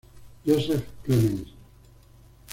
Josef Clemens.